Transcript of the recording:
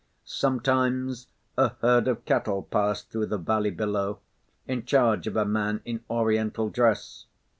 Sometimes a herd of cattle passed through the valley below, in charge of a man in Oriental dress.